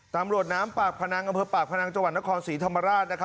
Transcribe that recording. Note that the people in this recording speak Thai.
น้ำรวดปากพนังกำเฟิร์ภาคพนังจังหวันทครศีธรรมราช